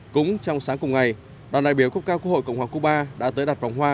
cũng trong sáng cùng ngày đoàn đại biểu quốc cao quốc hội cộng hòa cuba đã tới đặt vòng hoa